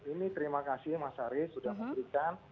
ini terima kasih mas haris sudah memberikan